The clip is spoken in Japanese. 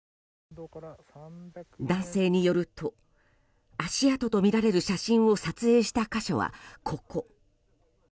男性によると、足跡とみられる写真を撮影した箇所は、ここ。